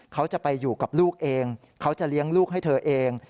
เขาจะไปอยู่กับลูกเองเขาจะเลี้ยงลูกให้เธอเอง